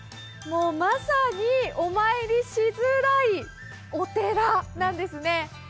もうまさに、おまいりしづらいお寺なんですね。